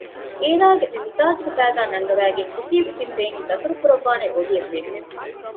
އޭނާގެ މި މިޒާޖުގެ ފައިދާ ނަންގަވައިގެން އުތީބު ތިން ބެއިން ދަތުރު ކުރައްވާނޭ އޮޑިއެއް ބެންނެވި